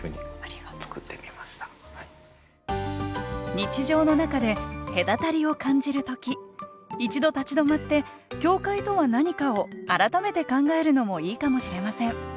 日常の中で隔たりを感じる時一度立ち止まって境界とは何かを改めて考えるのもいいかもしれません。